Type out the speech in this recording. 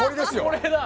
これだ。